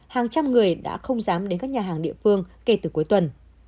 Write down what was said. hàng trăm người đã không dám đến các nhà hàng địa phương kể từ cuối tuần